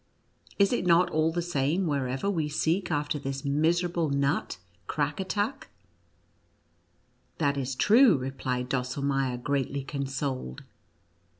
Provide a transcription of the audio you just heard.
Is it not all the same, wherever we seek after this miserable nut, Crackatuck V " That is true," replied Drosselmeier, greatly consoled.